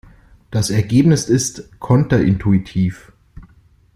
Das Ergebnis ist konterintuitiv.